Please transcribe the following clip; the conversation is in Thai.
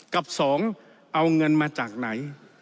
กับสองเอาเงินมาจากไหน